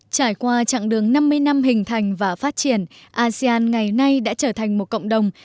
trải qua chặng đường năm mươi năm hình thành và phát triển asean ngày nay đã trở thành một cộng đồng